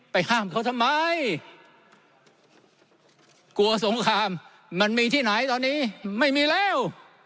ห้ามเขาทำไมกลัวสงครามมันมีที่ไหนตอนนี้ไม่มีแล้ว